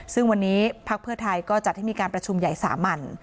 ซึ่งวันนี้พักเพื่อไทยก็จัดให้มีการประชุมใหญ่สามัญ